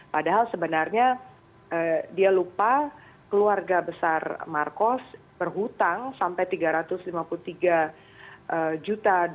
padahal sebenarnya dia lupa keluarga besar marcos berhutang sampai rp tiga ratus lima puluh tiga juta